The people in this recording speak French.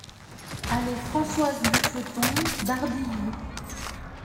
Allée Françoise Buffeton, Dardilly